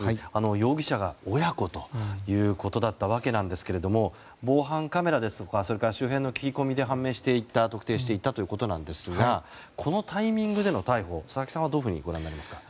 容疑者が親子ということだったわけなんですけれども防犯カメラや周辺の聞き込みで判明していった特定していったということですがこのタイミングでの逮捕佐々木さんはどういうふうにご覧になりますか？